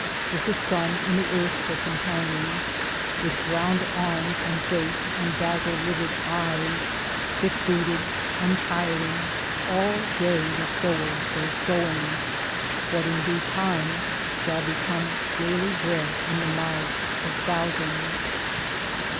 With the Sun and the Earth for companions, with browned arms and face and dazzle lidded eyes, thick booted, untiring, all day the sower goes sowing — What in due time shall become daily bread in the mouths of thousands.